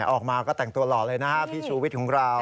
ออกมาก็แต่งตัวหล่อเลยนะครับพี่ชูวิทย์ของเรา